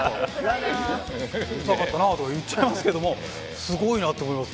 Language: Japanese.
「うるさかったなあ」とか言っちゃいますけどもすごいなと思います